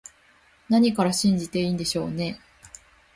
何から信じていいんでしょうね